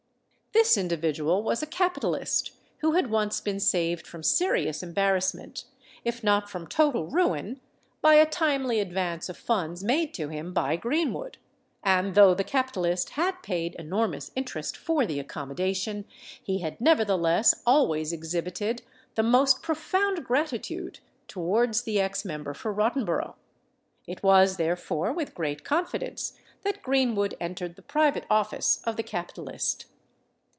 This individual was a capitalist who had once been saved from serious embarrassment, if not from total ruin, by a timely advance of funds made to him by Greenwood; and though the capitalist had paid enormous interest for the accommodation, he had nevertheless always exhibited the most profound gratitude towards the ex member for Rottenborough. It was, therefore, with great confidence that Greenwood entered the private office of the capitalist.